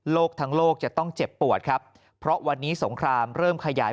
ทั้งโลกจะต้องเจ็บปวดครับเพราะวันนี้สงครามเริ่มขยาย